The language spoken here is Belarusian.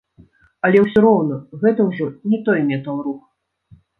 Але ўсё роўна гэта ўжо не той метал-рух.